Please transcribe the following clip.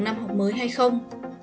năm học mới hay không